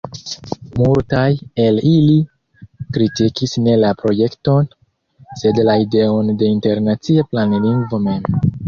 Multaj el ili kritikis ne la projekton, sed la ideon de internacia planlingvo mem.